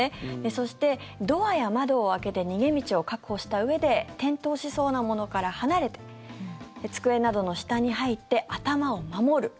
そして、ドアや窓を開けて逃げ道を確保したうえで転倒しそうなものから離れて机などの下に入って頭を守る。